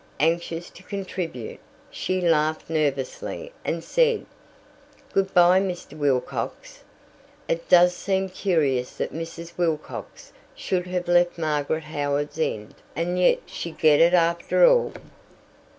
Anxious to contribute, she laughed nervously, and said: "Good bye, Mr. Wilcox. It does seem curious that Mrs. Wilcox should have left Margaret Howards End, and yet she get it, after all."